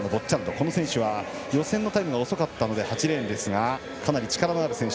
この選手は予選のタイムは遅かったので８レーンですがかなり力のある選手。